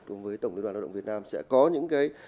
cùng với tổng đối đoàn lao động việt nam sẽ có những cái